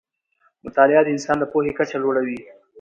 مطالعه د انسان د پوهې کچه لوړه وي